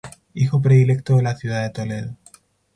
Hijo predilecto de la ciudad de Toledo.